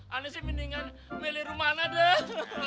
ini sih mendingan milih rumana deh